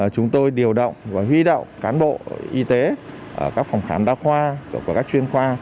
chúng tôi điều động và huy động cán bộ y tế ở các phòng khám đa khoa các chuyên khoa